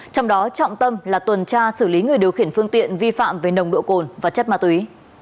trong đó trọng tâm là tuần tra xử lý người điều khiển phương tiện vi phạm về nồng độ cồn và chất ma túy